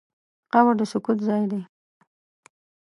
قبر د سکوت ځای دی.